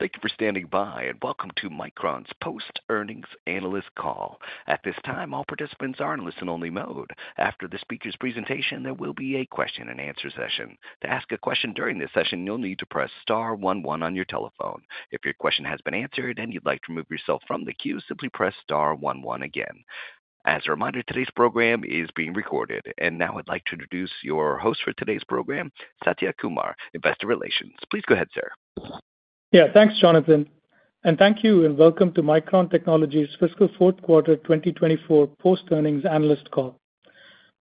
Thank you for standing by, and welcome to Micron's Post Earnings Analyst Call. At this time, all participants are in listen-only mode. After the speaker's presentation, there will be a question-and-answer session. To ask a question during this session, you'll need to press star one one on your telephone. If your question has been answered and you'd like to remove yourself from the queue, simply press star one one again. As a reminder, today's program is being recorded. And now I'd like to introduce your host for today's program, Satya Kumar, Investor Relations. Please go ahead, sir. Yeah, thanks, Jonathan, and thank you, and welcome to Micron Technology's Fiscal Q4 2024 Post Earnings Analyst Call.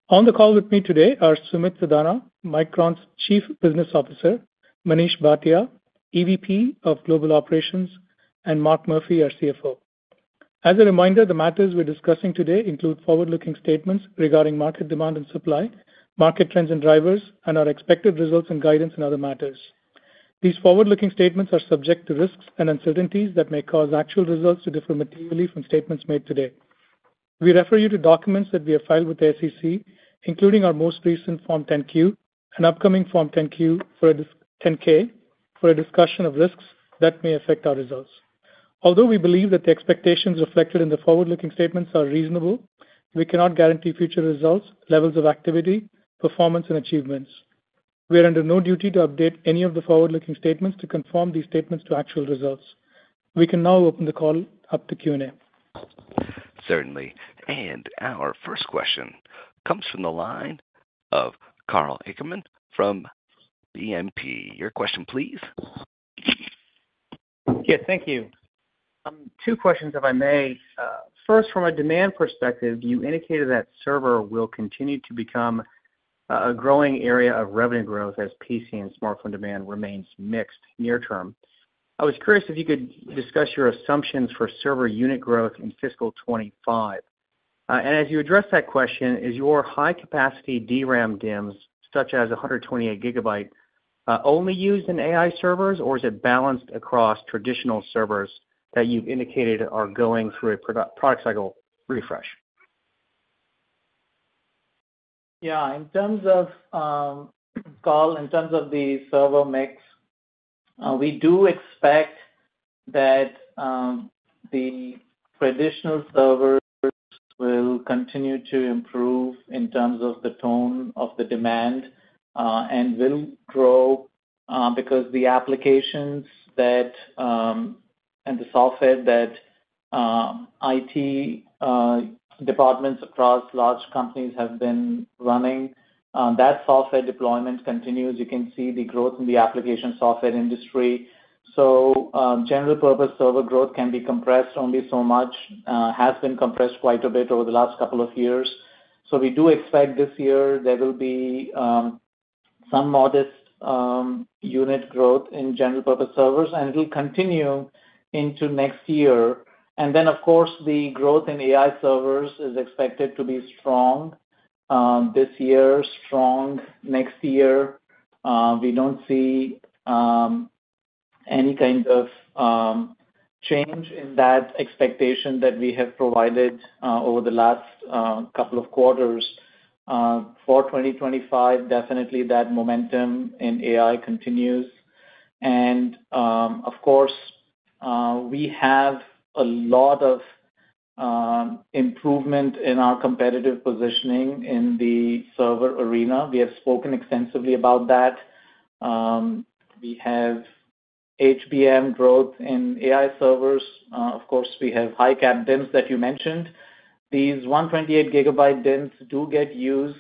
On the call with me today are Sumit Sadana, Micron's Chief Business Officer; Manish Bhatia, EVP of Global Operations; and Mark Murphy, our CFO. As a reminder, the matters we're discussing today include forward-looking statements regarding market demand and supply, market trends and drivers, and our expected results and guidance and other matters. These forward-looking statements are subject to risks and uncertainties that may cause actual results to differ materially from statements made today. We refer you to documents that we have filed with the SEC, including our most recent Form 10-Q and upcoming Form 10-Q and 10-K, for a discussion of risks that may affect our results. Although we believe that the expectations reflected in the forward-looking statements are reasonable, we cannot guarantee future results, levels of activity, performance, and achievements. We are under no duty to update any of the forward-looking statements to confirm these statements to actual results. We can now open the call up to Q&A. Certainly. Our first question comes from the line of Karl Ackerman from BNP Paribas. Your question, please. Yeah, thank you. Two questions, if I may. First, from a demand perspective, you indicated that server will continue to become a growing area of revenue growth as PC and smartphone demand remains mixed near term. I was curious if you could discuss your assumptions for server unit growth in fiscal 25. And as you address that question, is your high-capacity DRAM DIMMs, such as 128GB, only used in AI servers, or is it balanced across traditional servers that you've indicated are going through a product cycle refresh? Yeah, in terms of, Karl, in terms of the server mix, we do expect that, the traditional servers will continue to improve in terms of the tone of the demand, and will grow, because the applications that, and the software that, IT, departments across large companies have been running, that software deployment continues. You can see the growth in the application software industry. So, general purpose server growth can be compressed only so much, has been compressed quite a bit over the last couple of years. So we do expect this year there will be, some modest, unit growth in general purpose servers, and it will continue into next year. And then, of course, the growth in AI servers is expected to be strong, this year, strong next year. We don't see any kind of change in that expectation that we have provided over the last couple of quarters. For 2025, definitely that momentum in AI continues, and of course, we have a lot of improvement in our competitive positioning in the server arena. We have spoken extensively about that. We have HBM growth in AI servers. Of course, we have high-cap DIMMs that you mentioned. These 128GB DIMMs do get used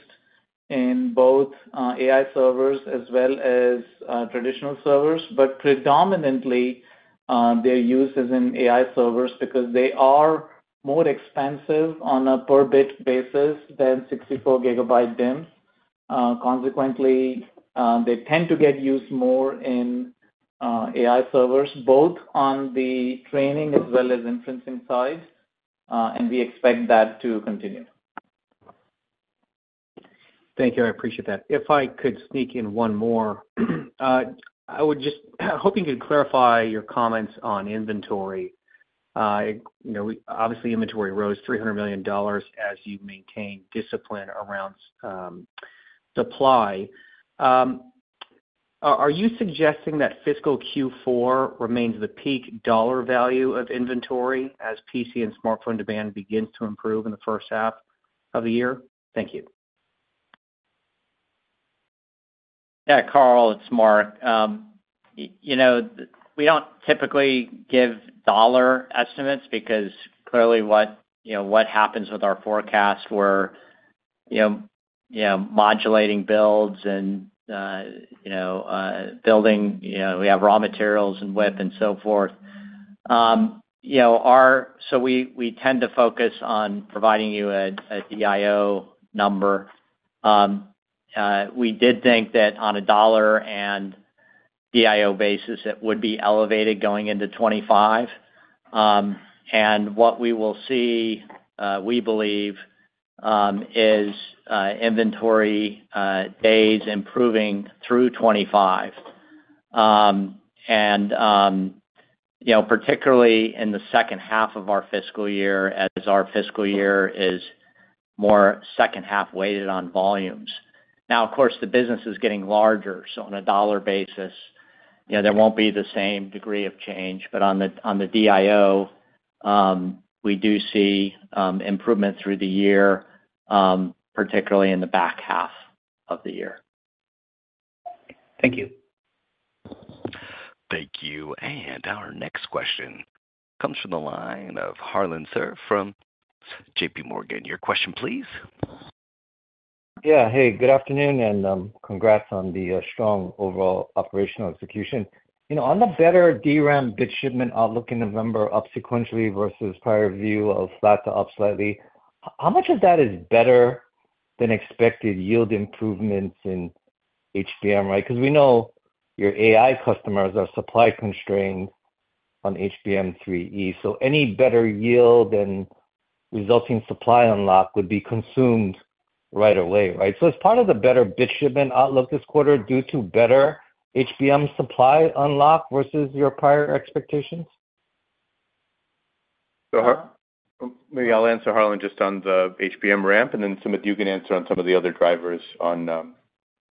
in both AI servers as well as traditional servers, but predominantly, they're used, as in, AI servers because they are more expensive on a per bit basis than 64GB DIMMs. Consequently, they tend to get used more in AI servers, both on the training as well as inferencing side, and we expect that to continue. Thank you. I appreciate that. If I could sneak in one more, I would just hope you could clarify your comments on inventory. You know, obviously, inventory rose $300 million as you maintained discipline around supply. Are you suggesting that fiscal Q4 remains the peak dollar value of inventory as PC and smartphone demand begins to improve in the H1 of the year? Thank you. Yeah, Karl, it's Mark. You know, we don't typically give dollar estimates because clearly what, you know, what happens with our forecast where, you know, you know, modulating builds and, you know, building, you know, we have raw materials and WIP and so forth. You know, our. So we, we tend to focus on providing you a, a DIO number. We did think that on a dollar and DIO basis, it would be elevated going into 2025. And what we will see, we believe, is inventory days improving through 2025. And, you know, particularly in the H2 of our fiscal year, as our fiscal year is more H2 weighted on volumes. Now, of course, the business is getting larger, so on a dollar basis, you know, there won't be the same degree of change. But on the DIO, we do see improvement through the year, particularly in the back half of the year. Thank you. Thank you. And our next question comes from the line of Harlan Sur from JP Morgan. Your question, please. Yeah. Hey, good afternoon, and congrats on the strong overall operational execution. You know, on the better DRAM bit shipment outlook in November, up sequentially versus prior view of flat to up slightly, how much of that is better than expected yield improvements in HBM, right? Because we know your AI customers are supply constrained on HBM3E, so any better yield and resulting supply unlock would be consumed right away, right? So is part of the better bit shipment outlook this quarter due to better HBM supply unlock versus your prior expectations? Maybe I'll answer, Harlan, just on the HBM ramp, and then, Sumit, you can answer on some of the other drivers on,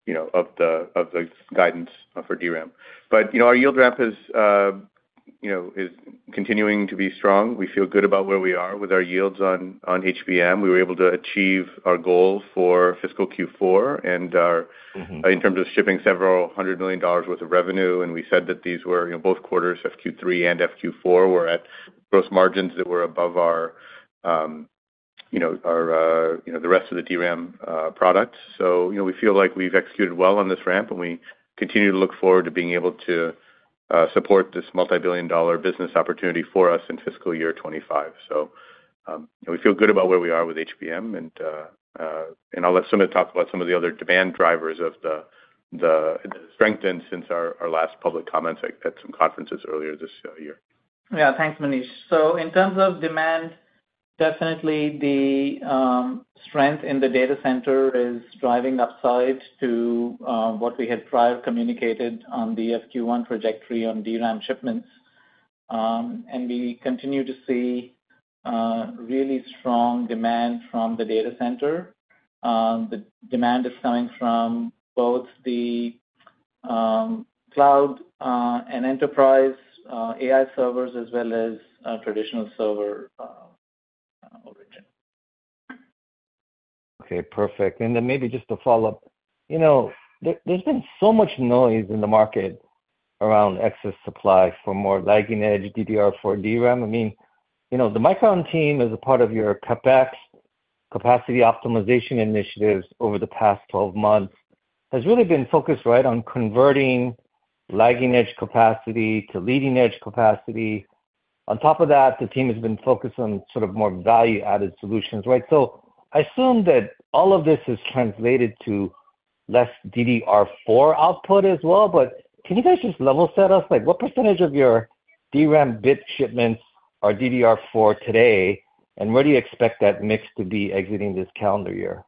you know, of the guidance for DRAM. But, you know, our yield ramp is continuing to be strong. We feel good about where we are with our yields on HBM. We were able to achieve our goal for fiscal Q4 and our- Mm-hmm. In terms of shipping several $100 million worth of revenue, and we said that these were, you know, both quarters, FQ3 and FQ4, were at gross margins that were above our, you know, our, the rest of the DRAM products. So, you know, we feel like we've executed well on this ramp, and we continue to look forward to being able to support this multibillion-dollar business opportunity for us in fiscal year 2025. So, and we feel good about where we are with HBM, and I'll let Sumit talk about some of the other demand drivers of the strength since our last public comments at some conferences earlier this year. Yeah. Thanks, Manish. So in terms of demand, definitely the strength in the data center is driving upside to what we had prior communicated on the FQ1 trajectory on DRAM shipments, and we continue to see really strong demand from the data center. The demand is coming from both the cloud and enterprise AI servers, as well as traditional server origin. Okay, perfect. And then maybe just to follow up, you know, there, there's been so much noise in the market around excess supply for more lagging edge DDR for DRAM. I mean, you know, the Micron team, as a part of your CapEx capacity optimization initiatives over the past 12 months, has really been focused, right, on converting lagging-edge capacity to leading-edge capacity. On top of that, the team has been focused on sort of more value-added solutions, right? So I assume that all of this has translated to less DDR4 output as well, but can you guys just level set us? Like, what percentage of your DRAM bit shipments are DDR4 today, and where do you expect that mix to be exiting this calendar year?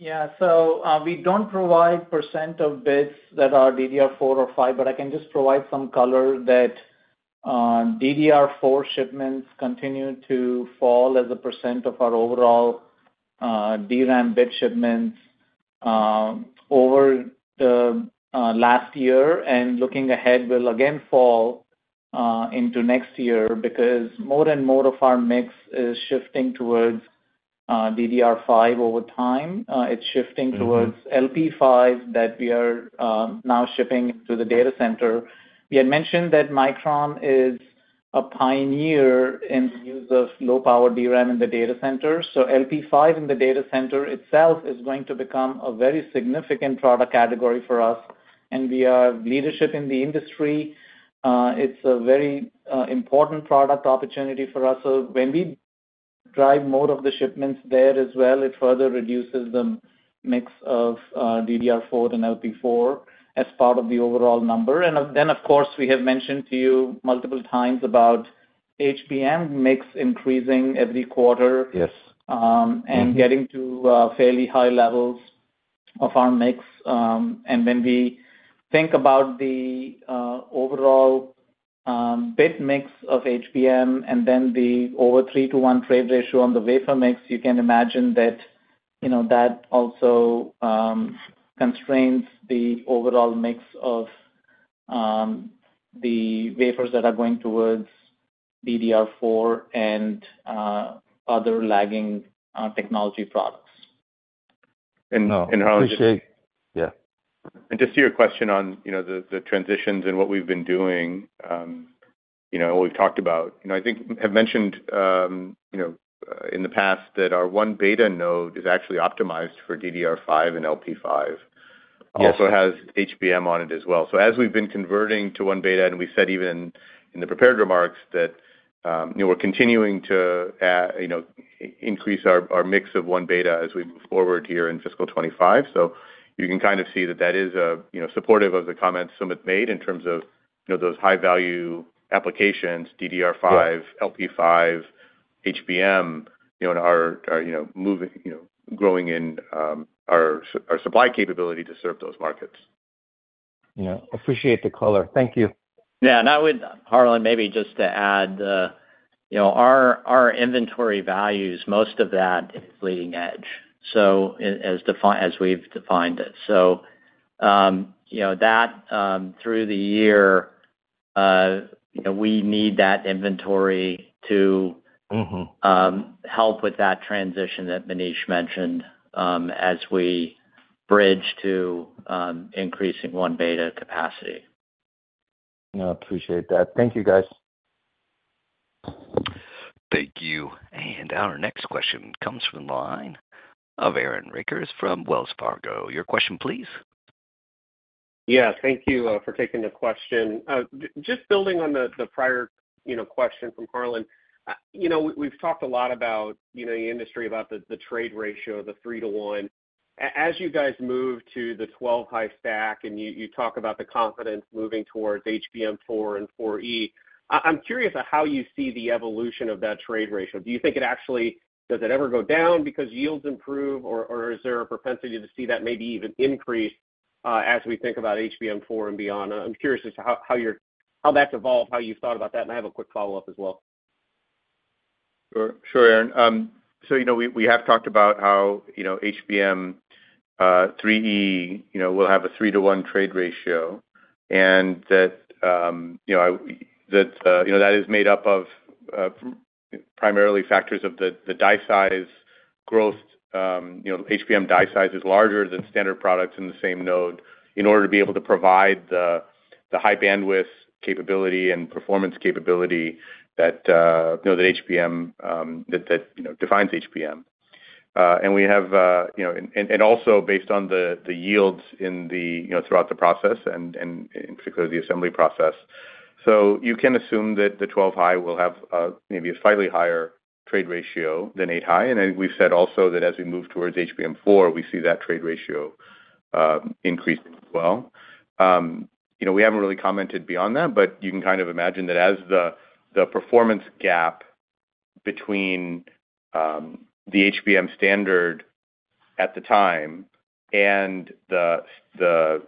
Yeah. So, we don't provide percent of bits that are DDR4 or five, but I can just provide some color that DDR4 shipments continue to fall as a percent of our overall DRAM bit shipments over the last year, and looking ahead, will again fall into next year. Because more and more of our mix is shifting towards DDR5 over time. It's shifting- Mm-hmm. -towards LP5, that we are now shipping to the data center. We had mentioned that Micron is a pioneer in the use of low-power DRAM in the data center, so LP5 in the data center itself is going to become a very significant product category for us, and we are leadership in the industry. It's a very important product opportunity for us. So when we drive more of the shipments there as well, it further reduces the mix of DDR4 and LP4 as part of the overall number. And then, of course, we have mentioned to you multiple times about HBM mix increasing every quarter- Yes. -um, Mm-hmm. And getting to fairly high levels of our mix. And when we think about the overall bit mix of HBM and then the over three to one trade ratio on the wafer mix, you can imagine that, you know, that also constrains the overall mix of the wafers that are going towards DDR4 and other lagging technology products. And Harlan- Appreciate, yeah. Just to your question on, you know, the transitions and what we've been doing, you know, what we've talked about. You know, I think I've mentioned, you know, in the past that our 1-beta node is actually optimized for DDR5 and LP5. Yes. Also has HBM on it as well. So as we've been converting to 1-beta, and we said even in the prepared remarks that, you know, we're continuing to, you know, increase our mix of 1-beta as we move forward here in fiscal 2025. So you can kind of see that that is, you know, supportive of the comments Sumit made in terms of, you know, those high-value applications, DDR5- Yeah... LP5, HBM, you know, and are moving, you know, growing in our supply capability to serve those markets. You know, appreciate the color. Thank you. Yeah, and I would, Harlan, maybe just to add, you know, our inventory values, most of that is leading edge, so as defined, as we've defined it. So, you know, that through the year, you know, we need that inventory to- Mm-hmm help with that transition that Manish mentioned, as we bridge to increasing 1-beta capacity. No, appreciate that. Thank you, guys. Thank you. And our next question comes from the line of Aaron Rakers from Wells Fargo. Your question, please? Yeah, thank you for taking the question. Just building on the prior, you know, question from Harlan. You know, we've talked a lot about, you know, the industry, about the trade ratio, the three to one. As you guys move to the 12-high stack, and you talk about the confidence moving towards HBM4 and HBM4E, I'm curious about how you see the evolution of that trade ratio. Do you think, does it ever go down because yields improve, or is there a propensity to see that maybe even increase, as we think about HBM4 and beyond? I'm curious as to how that's evolved, how you've thought about that, and I have a quick follow-up as well. Sure, Aaron. So you know, we have talked about how you know, HBM3E will have a three-to-one trade ratio, and that you know, that is made up of primarily factors of the die size growth. You know, HBM die size is larger than standard products in the same node, in order to be able to provide the high bandwidth capability and performance capability that you know, that HBM that defines HBM. And we have you know, and also based on the yields throughout the process and in particular, the assembly process. So you can assume that the 12 high will have maybe a slightly higher trade ratio than eight high. And I think we've said also that as we move towards HBM4, we see that trade ratio increasing as well. You know, we haven't really commented beyond that, but you can kind of imagine that as the performance gap between the HBM standard at the time and the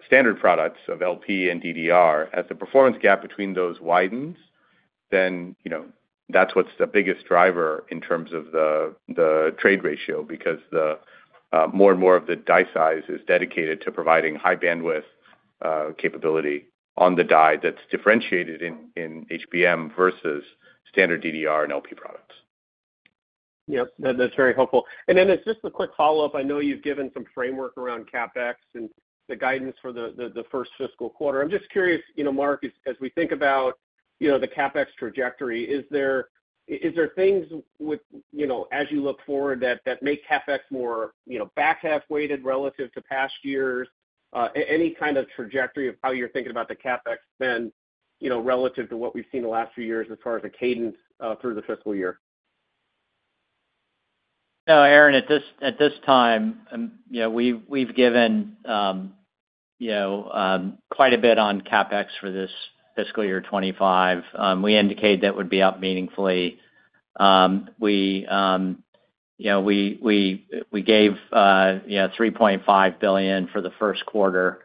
standard products of LP and DDR, as the performance gap between those widens, then you know, that's what's the biggest driver in terms of the trade ratio. Because the more and more of the die size is dedicated to providing high bandwidth capability on the die that's differentiated in HBM versus standard DDR and LP products. Yep, that's very helpful. And then just a quick follow-up. I know you've given some framework around CapEx and the guidance for the first fiscal quarter. I'm just curious, you know, Mark, as we think about, you know, the CapEx trajectory, is there things with, you know, as you look forward, that make CapEx more, you know, back-half weighted relative to past years? Any kind of trajectory of how you're thinking about the CapEx spend, you know, relative to what we've seen the last few years, as far as the cadence through the fiscal year? No, Aaron, at this time, you know, we've given quite a bit on CapEx for this fiscal year 2025. We indicated that would be up meaningfully. We, you know, we gave $3.5 billion for the Q1.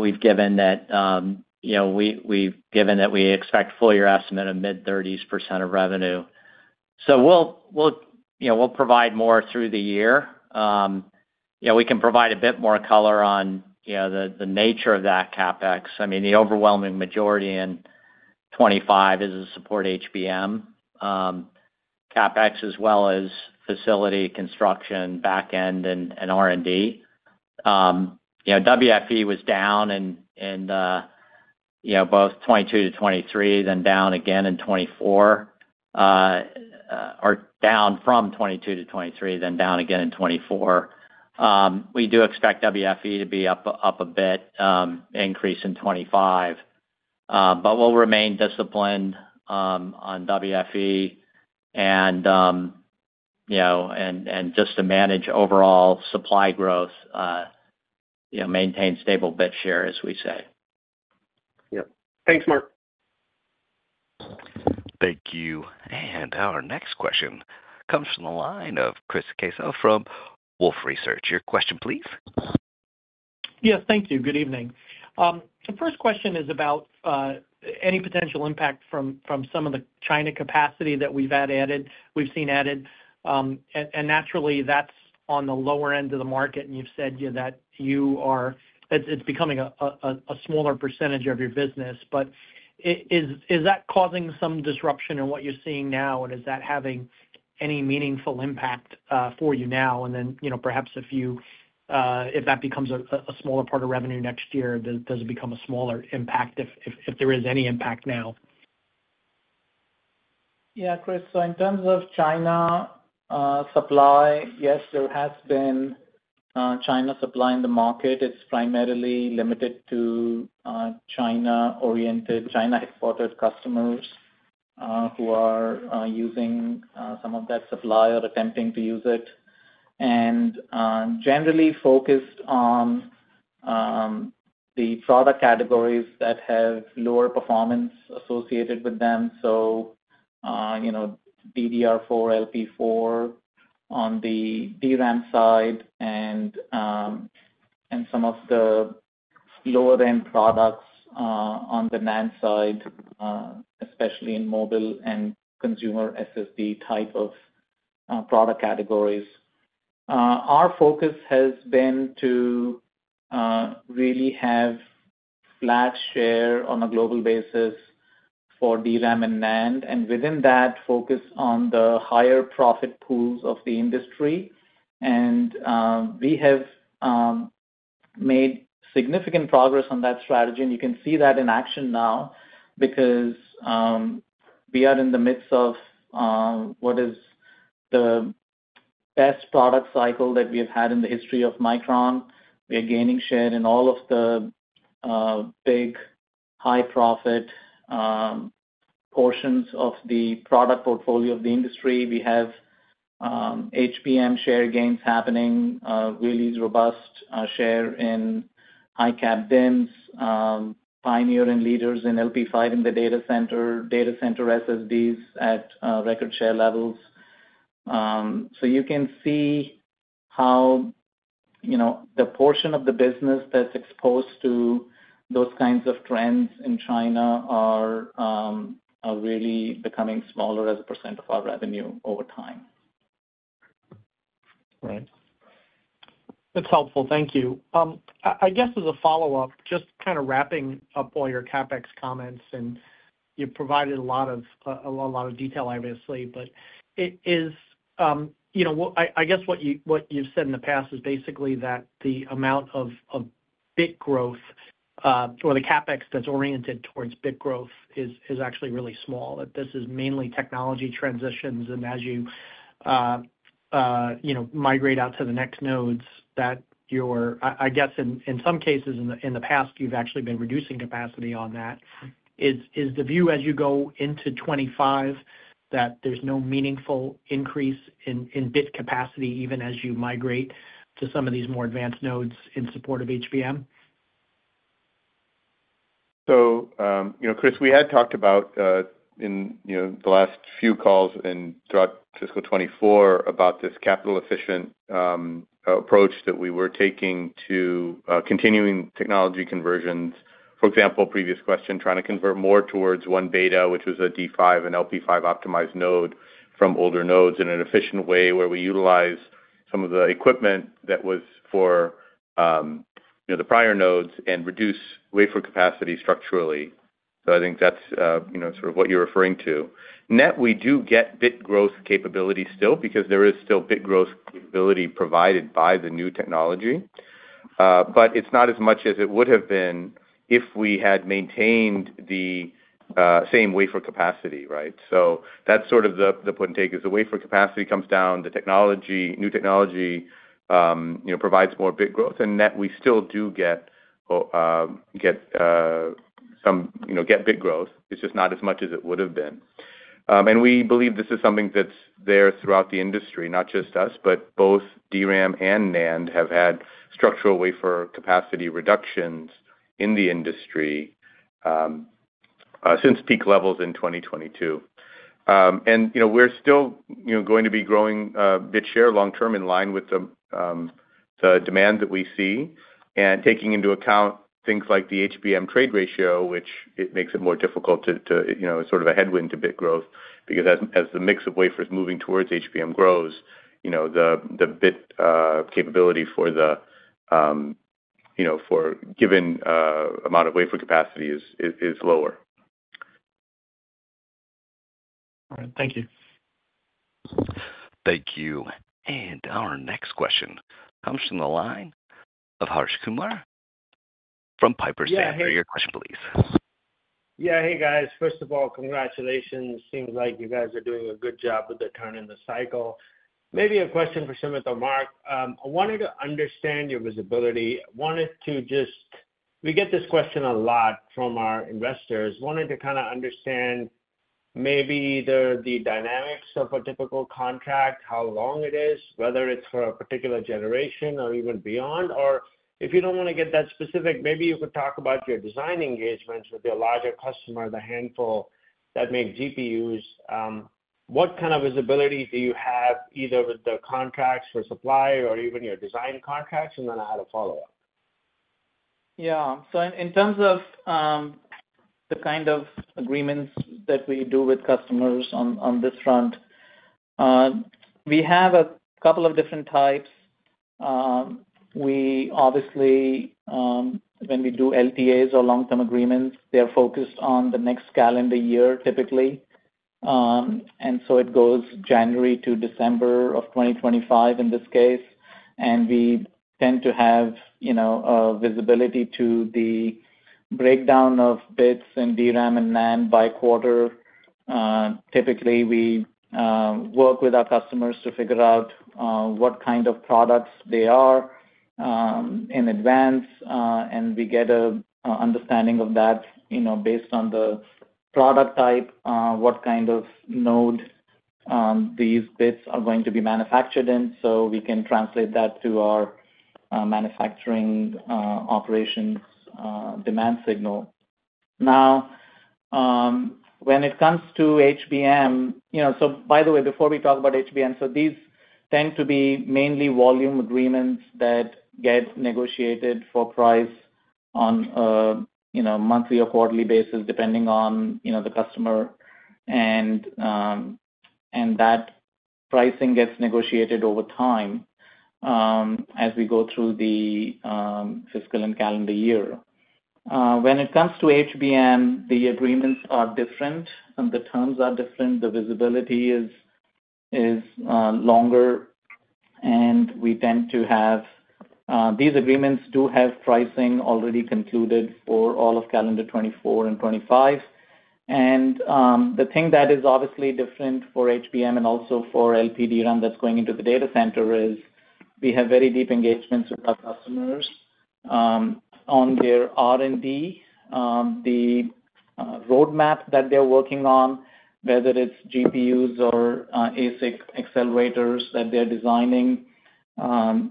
We've given that we expect full year estimate of mid-thirties percent of revenue. So we'll, you know, we'll provide more through the year. You know, we can provide a bit more color on the nature of that CapEx. I mean, the overwhelming majority in 2025 is to support HBM. CapEx, as well as facility construction, back end and R&D. You know, WFE was down in both 2022 to 2023, then down again in 2024. Or down from 2022 to 2023, then down again in 2024. We do expect WFE to be up a bit, increase in 2025. But we'll remain disciplined on WFE and, you know, and just to manage overall supply growth, you know, maintain stable bit share, as we say. Yep. Thanks, Mark. Thank you. And our next question comes from the line of Chris Caso from Wolfe Research. Your question, please? Yes, thank you. Good evening. The first question is about any potential impact from some of the China capacity that we've had added, we've seen added. And naturally, that's on the lower end of the market, and you've said, you know, that you are—it's becoming a smaller percentage of your business. But is that causing some disruption in what you're seeing now? And is that having any meaningful impact for you now? And then, you know, perhaps if that becomes a smaller part of revenue next year, does it become a smaller impact, if there is any impact now? Yeah, Chris. So in terms of China supply, yes, there has been China supply in the market. It's primarily limited to China-oriented, China-exported customers who are using some of that supply or attempting to use it. And generally focused on the product categories that have lower performance associated with them. So you know, DDR4, LP4. On the DRAM side and some of the lower-end products on the NAND side, especially in mobile and consumer SSD type of product categories. Our focus has been to really have flat share on a global basis for DRAM and NAND, and within that, focus on the higher profit pools of the industry. And we have made significant progress on that strategy, and you can see that in action now because we are in the midst of what is the best product cycle that we have had in the history of Micron. We are gaining share in all of the big, high-profit portions of the product portfolio of the industry. We have HBM share gains happening, really robust share in high-cap DIMMs, pioneer and leaders in LP5 in the data center, data center SSDs at record share levels. So you can see how, you know, the portion of the business that's exposed to those kinds of trends in China are really becoming smaller as a percent of our revenue over time. Right. That's helpful. Thank you. I guess as a follow-up, just kind of wrapping up all your CapEx comments, and you've provided a lot of detail, obviously, but it is, you know, I guess what you've said in the past is basically that the amount of bit growth, or the CapEx that's oriented towards bit growth is actually really small, that this is mainly technology transitions. And as you, you know, migrate out to the next nodes, that you're... I guess in some cases in the past, you've actually been reducing capacity on that. Is the view as you go into 2025, that there's no meaningful increase in bit capacity, even as you migrate to some of these more advanced nodes in support of HBM? So, you know, Chris, we had talked about, in, you know, the last few calls and throughout fy 2024, about this capital-efficient, approach that we were taking to, continuing technology conversions. For example, previous question, trying to convert more towards 1-beta, which was a D5 and LP5 optimized node from older nodes in an efficient way where we utilize some of the equipment that was for, you know, the prior nodes and reduce wafer capacity structurally. So I think that's, you know, sort of what you're referring to. Net, we do get bit growth capability still because there is still bit growth capability provided by the new technology. But it's not as much as it would have been if we had maintained the, same wafer capacity, right? So that's sort of the give and take. As the wafer capacity comes down, the technology, new technology, you know, provides more bit growth. And net, we still do get some, you know, bit growth. It's just not as much as it would have been. And we believe this is something that's there throughout the industry, not just us, but both DRAM and NAND have had structural wafer capacity reductions in the industry, since peak levels in 2022. And, you know, we're still, you know, going to be growing bit share long term in line with the demand that we see, and taking into account things like the HBM trade ratio, which it makes it more difficult to, you know, sort of a headwind to bit growth, because as the mix of wafers moving towards HBM grows, you know, the bit capability for given amount of wafer capacity is lower. All right. Thank you. Thank you. Our next question comes from the line of Harsh Kumar from Piper Sandler. Yeah, hey- Your question, please. Yeah. Hey, guys. First of all, congratulations. Seems like you guys are doing a good job with the turn in the cycle. Maybe a question for Sumit or Mark. I wanted to understand your visibility. I wanted to just... We get this question a lot from our investors, wanted to kinda understand maybe either the dynamics of a typical contract, how long it is, whether it's for a particular generation or even beyond, or if you don't wanna get that specific, maybe you could talk about your design engagements with your larger customer, the handful that make GPUs. What kind of visibility do you have, either with the contracts for supply or even your design contracts? And then I had a follow-up. Yeah. So in terms of the kind of agreements that we do with customers on this front, we have a couple of different types. We obviously, when we do LTAs or long-term agreements, they're focused on the next calendar year, typically. And so it goes January to December of 2025, in this case, and we tend to have, you know, visibility to the breakdown of bits in DRAM and NAND by quarter. Typically, we work with our customers to figure out what kind of products they are in advance, and we get a understanding of that, you know, based on the product type, what kind of node these bits are going to be manufactured in, so we can translate that to our manufacturing operations demand signal. Now, when it comes to HBM, you know, so by the way, before we talk about HBM, so these tend to be mainly volume agreements that get negotiated for price on a, you know, monthly or quarterly basis, depending on, you know, the customer. And, and that pricing gets negotiated over time, as we go through the, fiscal and calendar year. When it comes to HBM, the agreements are different, and the terms are different. The visibility is longer, and we tend to have, these agreements do have pricing already concluded for all of calendar 2024 and 2025. And, the thing that is obviously different for HBM and also for LPDRAM that's going into the data center, is we have very deep engagements with our customers, on their R&D. The roadmap that they're working on, whether it's GPUs or ASIC accelerators that they're designing,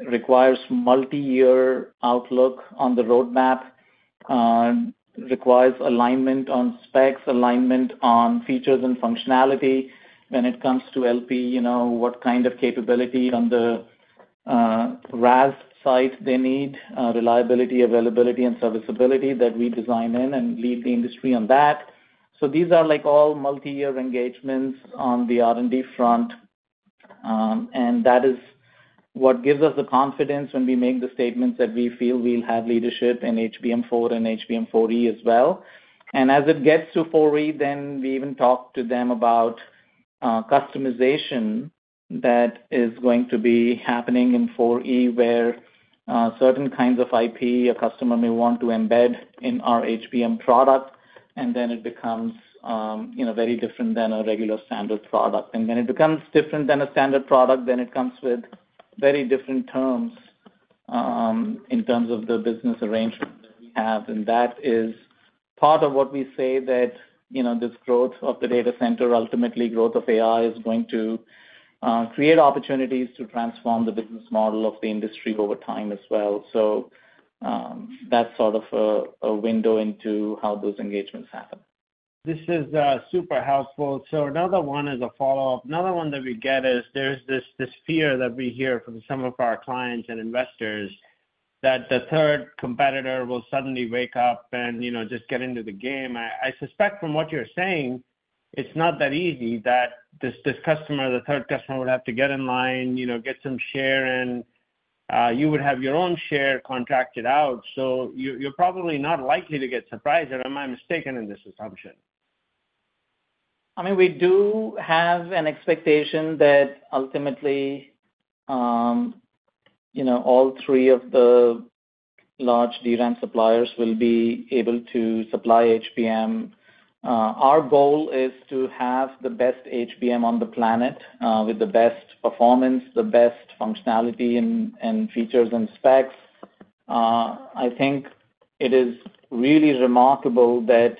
requires multiyear outlook on the roadmap, requires alignment on specs, alignment on features and functionality. When it comes to LP, you know, what kind of capability on the RAS side they need, reliability, availability, and serviceability that we design in and lead the industry on that. So these are like all multiyear engagements on the R&D front. And that is what gives us the confidence when we make the statements that we feel we'll have leadership in HBM4 and HBM4E as well. As it gets to 4E, then we even talk to them about customization that is going to be happening in 4E, where certain kinds of IP, a customer may want to embed in our HBM product, and then it becomes, you know, very different than a regular standard product. When it becomes different than a standard product, then it comes with very different terms in terms of the business arrangement that we have. That is part of what we say that, you know, this growth of the data center, ultimately, growth of AI, is going to create opportunities to transform the business model of the industry over time as well. That's sort of a window into how those engagements happen. This is super helpful. So another one is a follow-up. Another one that we get is there's this fear that we hear from some of our clients and investors, that the third competitor will suddenly wake up and, you know, just get into the game. I suspect from what you're saying, it's not that easy, that this customer, the third customer, would have to get in line, you know, get some share in. You would have your own share contracted out, so you're probably not likely to get surprised, or am I mistaken in this assumption? I mean, we do have an expectation that ultimately, you know, all three of the large DRAM suppliers will be able to supply HBM. Our goal is to have the best HBM on the planet, with the best performance, the best functionality and features and specs. I think it is really remarkable that,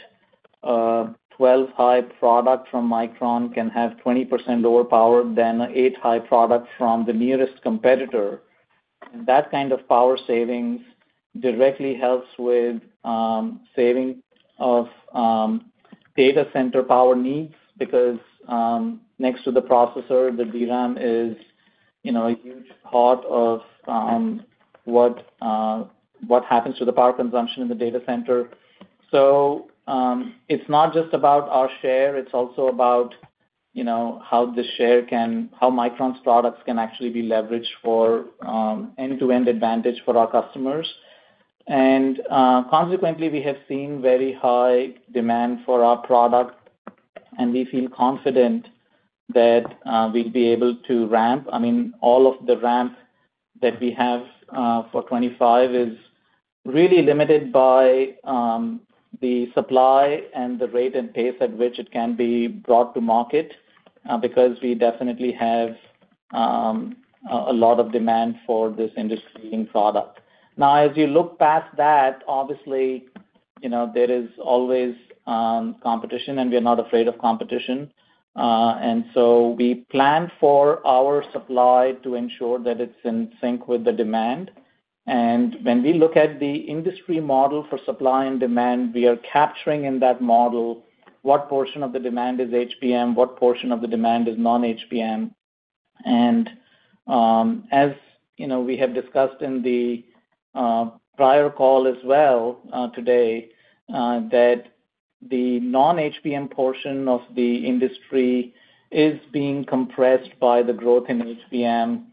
12-high product from Micron can have 20% lower power than an 8-high product from the nearest competitor. That kind of power savings directly helps with, saving of, data center power needs, because, next to the processor, the DRAM is, you know, a huge part of, what happens to the power consumption in the data center. So, it's not just about our share, it's also about, you know, how the share can, how Micron's products can actually be leveraged for, end-to-end advantage for our customers. And, consequently, we have seen very high demand for our product, and we feel confident that, we'll be able to ramp. I mean, all of the ramp that we have, for 2025 is really limited by, the supply and the rate and pace at which it can be brought to market, because we definitely have, a lot of demand for this industry in product. Now, as you look past that, obviously, you know, there is always, competition, and we are not afraid of competition. And so we plan for our supply to ensure that it's in sync with the demand. When we look at the industry model for supply and demand, we are capturing in that model what portion of the demand is HBM, what portion of the demand is non-HBM. As you know, we have discussed in the prior call as well today that the non-HBM portion of the industry is being compressed by the growth in HBM.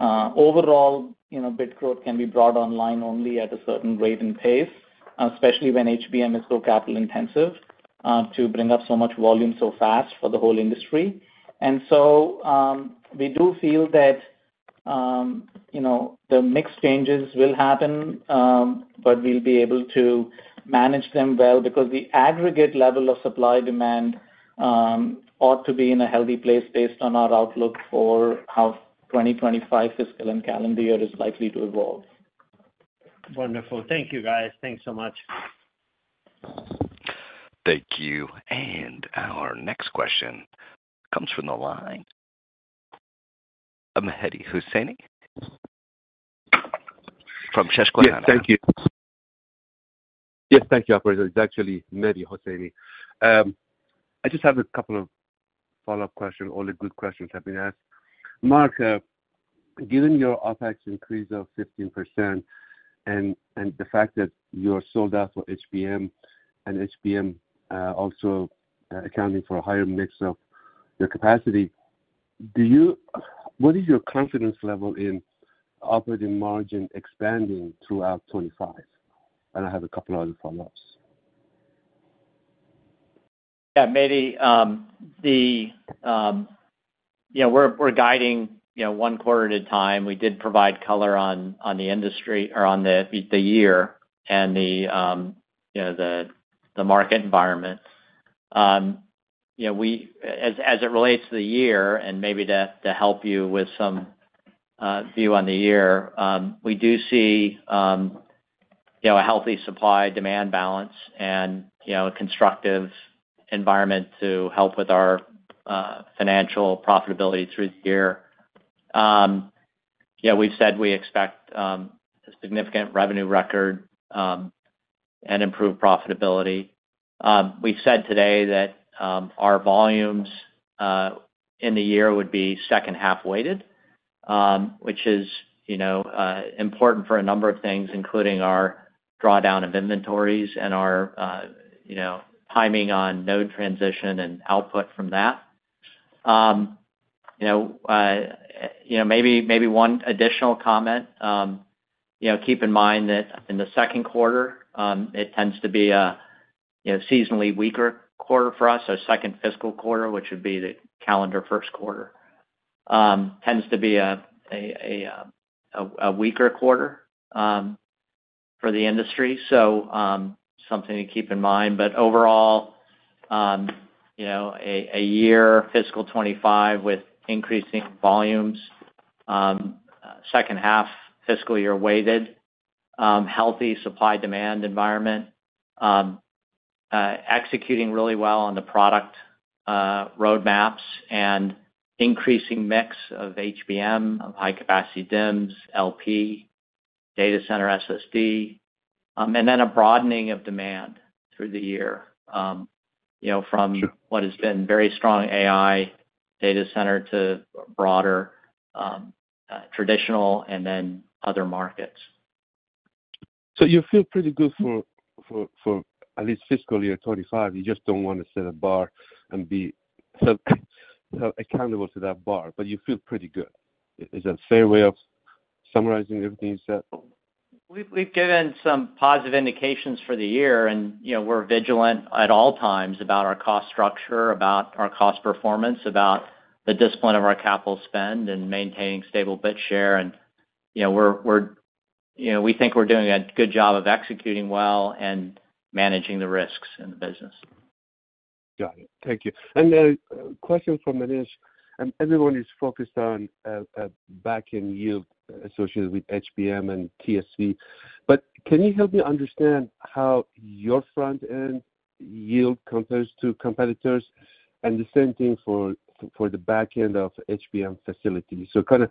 Overall, you know, bit growth can be brought online only at a certain rate and pace, especially when HBM is so capital intensive to bring up so much volume so fast for the whole industry. And so, we do feel that, you know, the mix changes will happen, but we'll be able to manage them well, because the aggregate level of supply-demand ought to be in a healthy place based on our outlook for how 2025 fiscal and calendar year is likely to evolve. Wonderful. Thank you, guys. Thanks so much. Thank you. And our next question comes from the line of- Mehdi Hosseini from Susquehanna? Yes, thank you. Yes, thank you, operator. It's actually Mehdi Hosseini. I just have a couple of follow-up questions, all the good questions have been asked. Mark, given your OpEx increase of 15% and the fact that you're sold out for HBM, also accounting for a higher mix of your capacity, what is your confidence level in operating margin expanding throughout 2025? And I have a couple of other follow-ups. Yeah, Mehdi, you know, we're guiding, you know, one quarter at a time. We did provide color on the industry or on the year and the, you know, the market environment. You know, as it relates to the year, and maybe to help you with some view on the year, we do see, you know, a healthy supply-demand balance and, you know, a constructive environment to help with our financial profitability through the year. Yeah, we've said we expect a significant revenue record and improved profitability. We said today that our volumes in the year would be H2 weighted, which is, you know, important for a number of things, including our drawdown of inventories and our, you know, timing on node transition and output from that. You know, maybe one additional comment, you know, keep in mind that in the second quarter, it tends to be a, you know, seasonally weaker quarter for us. So second fiscal quarter, which would be the calendar first quarter, tends to be a weaker quarter for the industry. So, something to keep in mind. But overall, you know, a year fiscal 2025 with increasing volumes, H2 fiscal year weighted, healthy supply-demand environment, executing really well on the product roadmaps and increasing mix of HBM, of high-capacity DIMMs, LP, data center SSD, and then a broadening of demand through the year, you know, from what has been very strong AI data center to broader, traditional and then other markets. So you feel pretty good for at least fy 2025. You just don't want to set a bar and be so accountable to that bar, but you feel pretty good. Is that a fair way of summarizing everything you said? We've given some positive indications for the year, and you know, we're vigilant at all times about our cost structure, about our cost performance, about the discipline of our capital spend and maintaining stable bit share, and you know, we're you know, we think we're doing a good job of executing well and managing the risks in the business. Got it. Thank you. And a question from Manish, and everyone is focused on back-end yield associated with HBM and TSV, but can you help me understand how your front-end yield compares to competitors? And the same thing for the back-end of HBM facilities. So kind of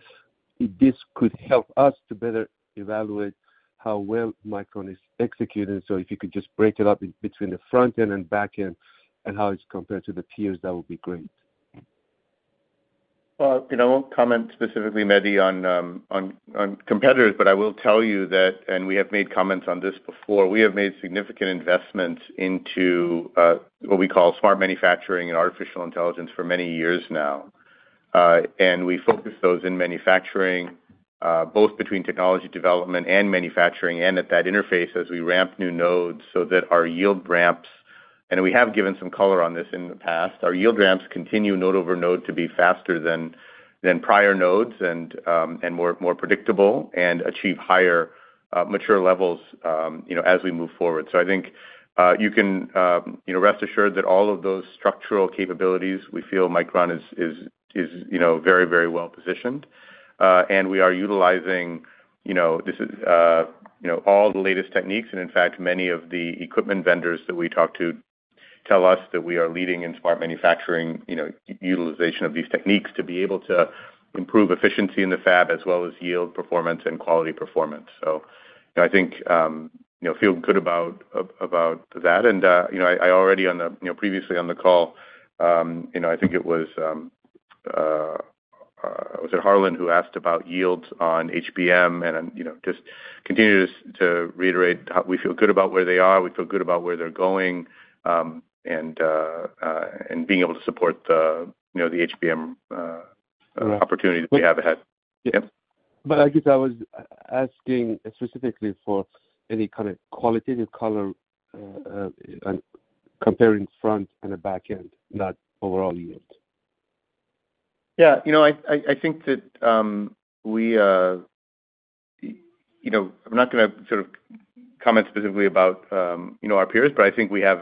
this could help us to better evaluate how well Micron is executing. So if you could just break it up between the front end and back end and how it's compared to the peers, that would be great. Well, you know, I won't comment specifically, Mehdi, on competitors, but I will tell you that, and we have made comments on this before, we have made significant investments into what we call smart manufacturing and artificial intelligence for many years now, and we focus those in manufacturing both between technology development and manufacturing, and at that interface as we ramp new nodes so that our yield ramps, and we have given some color on this in the past. Our yield ramps continue node over node to be faster than prior nodes and more predictable and achieve higher mature levels, you know, as we move forward, so I think you can you know rest assured that all of those structural capabilities, we feel Micron is you know very very well positioned. And we are utilizing, you know, this is, you know, all the latest techniques, and in fact, many of the equipment vendors that we talk to tell us that we are leading in smart manufacturing, you know, utilization of these techniques to be able to improve efficiency in the fab as well as yield performance and quality performance. So I think, you know, feel good about about that. And, you know, I already on the, you know, previously on the call, you know, I think it was, was it Harlan who asked about yields on HBM and, you know, just continue to reiterate, how we feel good about where they are, we feel good about where they're going, and being able to support the, you know, the HBM, opportunity that we have ahead. But I guess I was asking specifically for any kind of qualitative color on comparing frontend and the back-end, not overall unit. Yeah, you know, I think that we, you know, I'm not gonna sort of comment specifically about, you know, our peers, but I think we have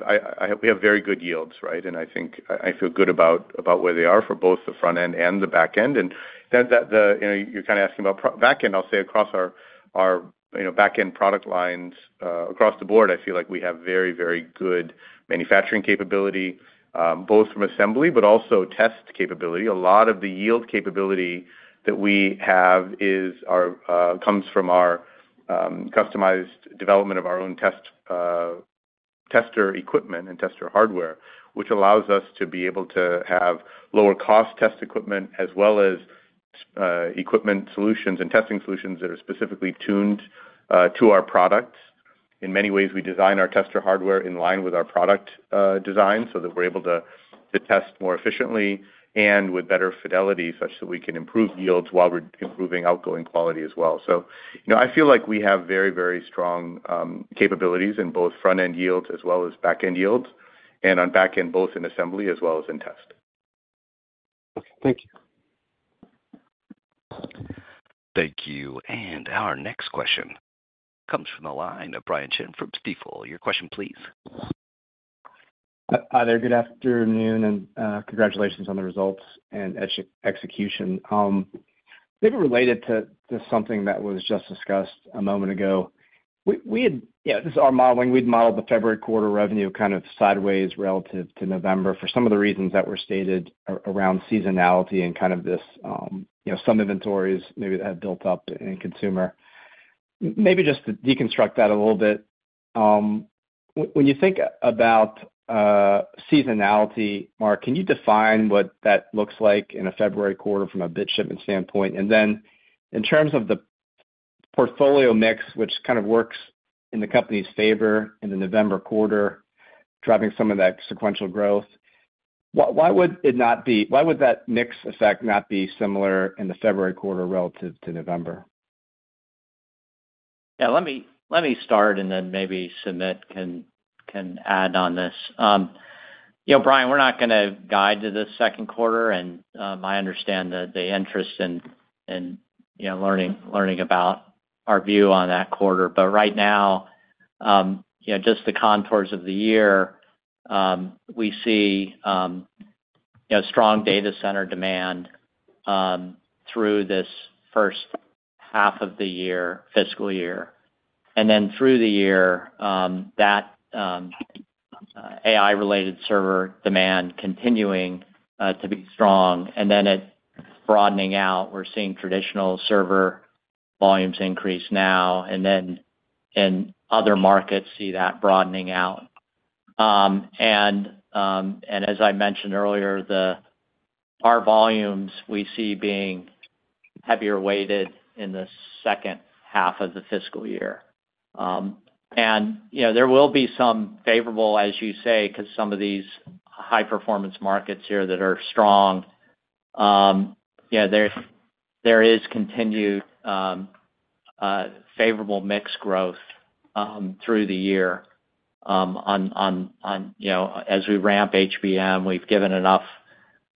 very good yields, right? And I think I feel good about where they are for both the front end and the back end. And then, you know, you're kinda asking about back end, I'll say across our, you know, back-end product lines, across the board, I feel like we have very, very good manufacturing capability, both from assembly, but also test capability. A lot of the yield capability that we have comes from our customized development of our own test tester equipment and tester hardware, which allows us to be able to have lower cost test equipment, as well as equipment solutions and testing solutions that are specifically tuned to our products. In many ways, we design our tester hardware in line with our product design, so that we're able to test more efficiently and with better fidelity, such that we can improve yields while we're improving outgoing quality as well. So, you know, I feel like we have very, very strong capabilities in both front-end yields as well as back-end yields, and on back-end, both in assembly as well as in test. Thank you. Thank you. And our next question comes from the line of Brian Chin from Stifel. Your question, please. Hi there. Good afternoon, and congratulations on the results and execution. Maybe related to something that was just discussed a moment ago. Yeah, this is our modeling. We'd modeled the February quarter revenue kind of sideways relative to November, for some of the reasons that were stated around seasonality and kind of this, you know, some inventories maybe that have built up in consumer. Maybe just to deconstruct that a little bit, when you think about seasonality, Mark, can you define what that looks like in a February quarter from a bit shipment standpoint? And then, in terms of the portfolio mix, which kind of works in the company's favor in the November quarter, driving some of that sequential growth, why would it not be? Why would that mix effect not be similar in the February quarter relative to November? Yeah, let me start, and then maybe Sumit can add on this. You know, Brian, we're not gonna guide to the Q2, and I understand the interest in you know learning about our view on that quarter. But right now, you know, just the contours of the year, we see you know strong data center demand through this H1 of the year, fiscal year. And then through the year, that AI-related server demand continuing to be strong, and then it broadening out. We're seeing traditional server volumes increase now, and then other markets see that broadening out. And as I mentioned earlier, our volumes, we see being heavier weighted in the H2 of the fiscal year. And, you know, there will be some favorable, as you say, because some of these high-performance markets here that are strong. Yeah, there is continued favorable mix growth through the year. On, you know, as we ramp HBM, we've given enough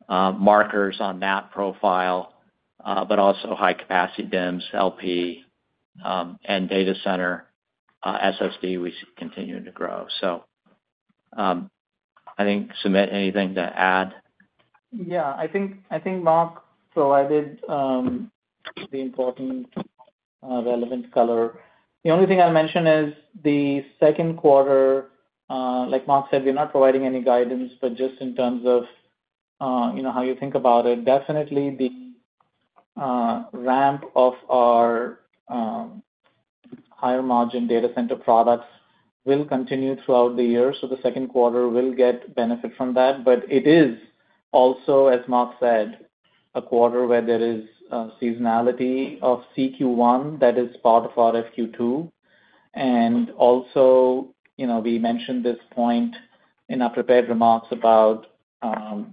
markers on that profile, but also high capacity DIMMs, LP, and data center SSD we see continuing to grow. So, I think, Sumit, anything to add? Yeah, I think Mark provided the important relevant color. The only thing I'll mention is the Q2, like Mark said, we're not providing any guidance, but just in terms of you know, how you think about it, definitely the ramp of our higher margin data center products will continue throughout the year, so the Q2 will get benefit from that. But it is also, as Mark said, a quarter where there is seasonality of CQ1 that is part of our FQ2. And also, you know, we mentioned this point in our prepared remarks about the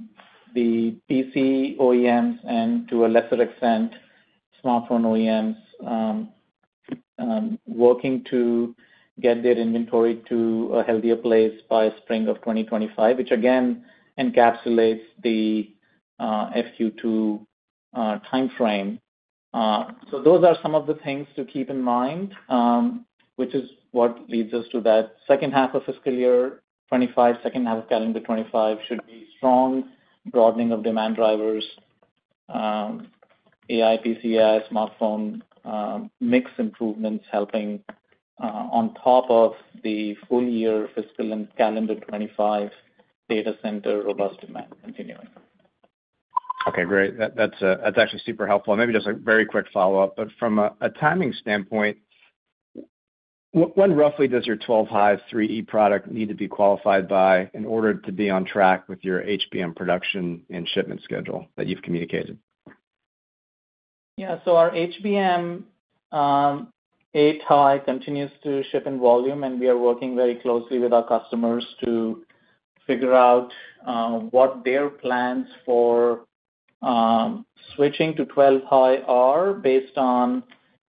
PC OEMs and, to a lesser extent, smartphone OEMs working to get their inventory to a healthier place by spring of twenty twenty-five, which again encapsulates the FQ2 timeframe. So those are some of the things to keep in mind, which is what leads us to that H2 of fiscal year 2025, H2 calendar 2025 should be strong, broadening of demand drivers, AI, PC, smartphone, mix improvements helping, on top of the full year fiscal and calendar 2025 data center, robust demand continuing. Okay, great. That's actually super helpful. And maybe just a very quick follow-up, but from a timing standpoint, when roughly does your 12-high HBM3E product need to be qualified by, in order to be on track with your HBM production and shipment schedule that you've communicated? Yeah. So our HBM 8-high continues to ship in volume, and we are working very closely with our customers to figure out what their plans for switching to 12-high are, based on,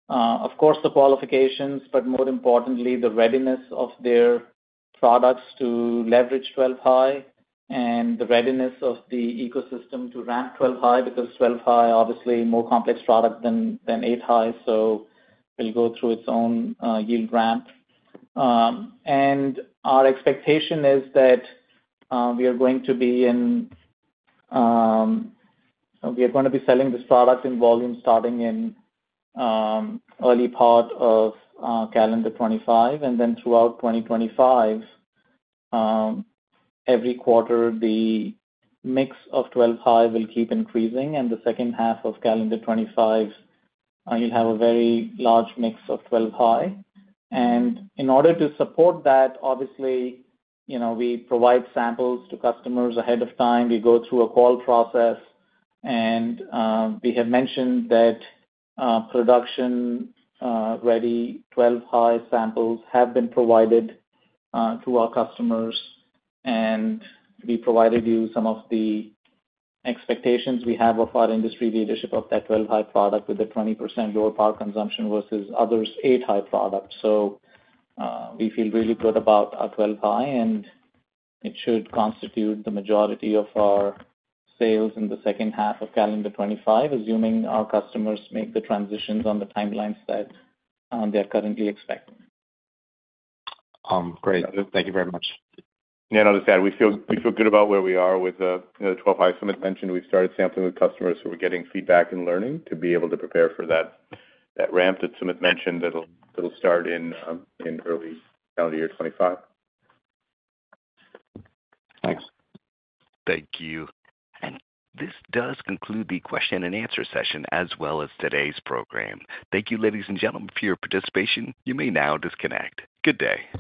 of course, the qualifications, but more importantly, the readiness of their products to leverage 12-high and the readiness of the ecosystem to ramp 12-high, because 12-high, obviously, more complex product than 8-high, so will go through its own yield ramp. And our expectation is that we are gonna be selling this product in volume starting in early part of calendar 2025, and then throughout 2025, every quarter, the mix of 12-high will keep increasing, and the H2 of calendar 2025, you'll have a very large mix of 12-high. In order to support that, obviously, you know, we provide samples to customers ahead of time. We go through a qual process, and we have mentioned that production ready 12-high samples have been provided to our customers, and we provided you some of the expectations we have of our industry leadership of that 12-high product, with a 20% lower power consumption versus others' 8-high products. We feel really good about our 12-high, and it should constitute the majority of our sales in the H2 of calendar 2025, assuming our customers make the transitions on the timelines that they're currently expecting. Great. Thank you very much. Yeah, and I'll just add, we feel good about where we are with the 12-high. Sumit mentioned we've started sampling with customers, so we're getting feedback and learning to be able to prepare for that ramp that Sumit mentioned. It'll start in early calendar year 2025. Thanks. Thank you. And this does conclude the question and answer session, as well as today's program. Thank you, ladies and gentlemen, for your participation. You may now disconnect. Good day.